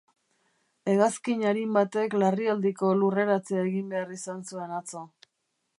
Hegazkin arin batek larrialdiko lurreratzea egin behar izan zuen atzo.